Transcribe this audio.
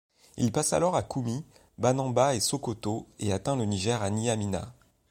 Il passe alors à Koumi, Banamba et Sokoto et atteint le Niger à Nyamina.